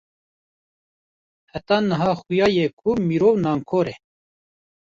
heta niha xuya ye ku mirov nankor e